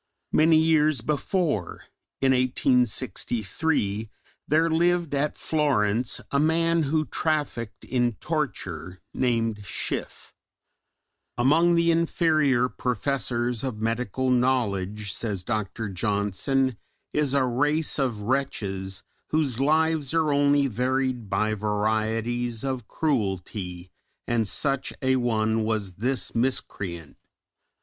Many years before, in 1863, there lived at Florence a man who trafficked in torture named Schiff; "among the inferior professors of medical knowledge," says Dr. Johnson, "is a race of wretches, whose lives are only varied by varieties of cruelty," and such an one was this miscreant.